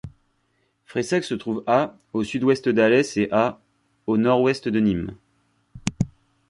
Fressac se trouve à au sud-ouest d'Alès et à au nord-ouest de Nîmes.